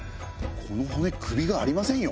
この骨首がありませんよ。